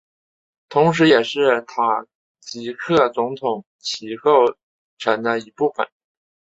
同时也是塔吉克总统旗构成的一部分